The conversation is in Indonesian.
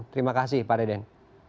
terima kasih pak deden